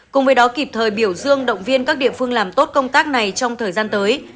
cùng với đó kịp thời biểu dương động viên các địa phương làm tốt công tác này trong thời gian tới